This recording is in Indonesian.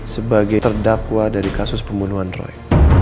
sebagai terdakwa dari kasus pembunuhan roy